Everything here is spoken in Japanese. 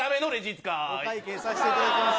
お会計させていただきます。